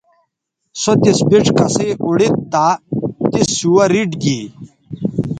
سو تس بِڇ کسئ اوڑید تہ تس سوہ ریٹ گی